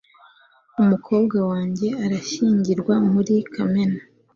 umukobwa wanjye arashyingirwa muri kamena